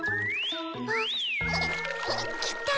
あっきた。